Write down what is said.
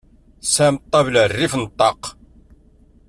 Tesɛam ṭabla rrif n ṭaq?